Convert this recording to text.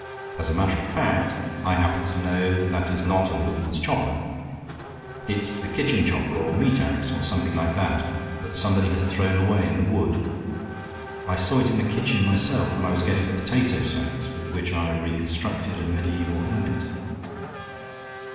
As a matter of fact, I happen to know that is not the woodman's chopper. It's the kitchen chopper, or meat ax, or something like that, that somebody has thrown away in the wood. I saw it in the kitchen myself when I was getting the potato sacks with which I reconstructed a mediaeval hermit."